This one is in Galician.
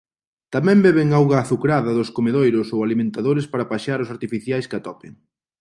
Tamén beben auga azucrada dos comedeiros ou alimentadores para paxaros artificiais que atopen.